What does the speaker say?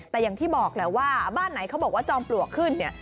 แต่อย่างที่บอกแหละว่าบ้านไหนเขาบอกว่าจอมปลวกขึ้นเนี่ย